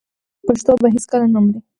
پښتو به هیڅکله نه مري.